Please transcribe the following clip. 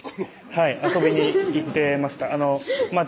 はい遊びに行ってましたまー